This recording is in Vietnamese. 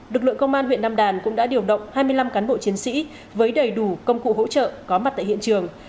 lực lượng công an huyện nam đàn cũng đã điều động hai mươi năm cán bộ chiến sĩ với đầy đủ công cụ hỗ trợ có mặt tại hiện trường